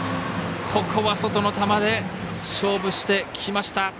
ここは外の球で勝負してきました。